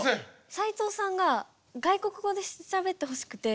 斉藤さんが外国語でしゃべってほしくて。